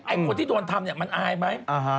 คนที่โดนทำเนี่ยมันอายไหม